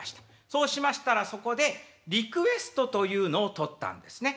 そうしましたらそこでリクエストというのを取ったんですね。